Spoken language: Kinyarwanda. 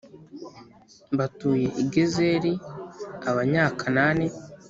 batuye i Gezeri Abanyakanani